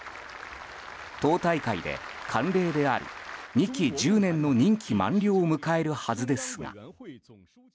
党大会で、慣例である２期１０年の任期満了を迎えるはずですが。